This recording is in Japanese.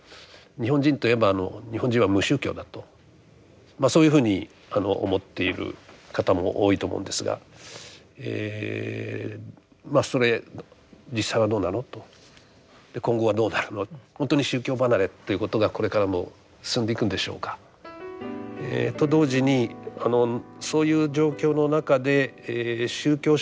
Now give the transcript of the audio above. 日本人といえば日本人は無宗教だとそういうふうに思っている方も多いと思うんですがまあそれ実際はどうなのと今後はどうなるのほんとに宗教離れということがこれからも進んでいくんでしょうか。と同時にそういう状況の中で宗教集団というのはですね